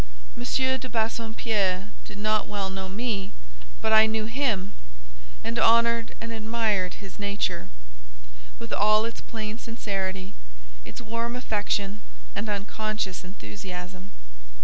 M. de Bassompierre did not well know me, but I knew him, and honoured and admired his nature, with all its plain sincerity, its warm affection, and unconscious enthusiasm.